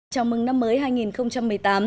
chào mừng năm mới hai nghìn một mươi tám